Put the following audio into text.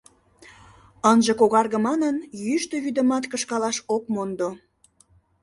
Ынже когарге манын, йӱштӧ вӱдымат кышкалаш ок мондо.